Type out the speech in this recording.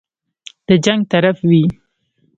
د جنګ طرف وي.